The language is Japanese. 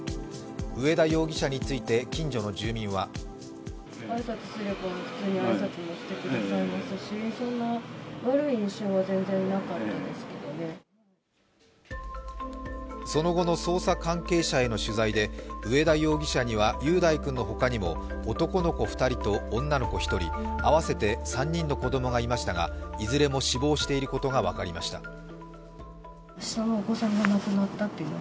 上田容疑者について近所の住民はその後の捜査関係者への取材で上田容疑者には雄大君の他にも男の子２人と女の子１人、合わせて３人の子供がいましたが、いずれも死亡していることが分かりました。